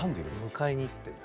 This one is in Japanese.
迎えに行ってんだ。